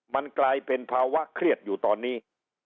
มันกลายเป็นภาวะเครียดอยู่ตอนนี้